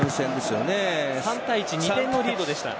３対１、２点のリードでした。